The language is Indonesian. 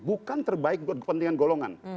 bukan terbaik buat kepentingan golongan